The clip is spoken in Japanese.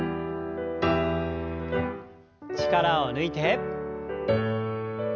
力を抜いて。